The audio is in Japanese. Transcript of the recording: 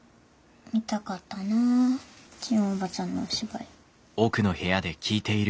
見たかったなあ千代おばちゃんのお芝居。